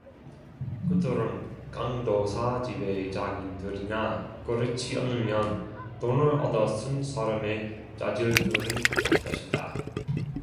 그들은 강도사 집의 작인들이나 그렇지 않으면 돈을 얻어 쓴 사람의 자질들인 것이다.